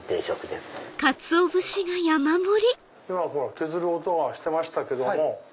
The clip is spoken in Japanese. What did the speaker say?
削る音がしてましたけども。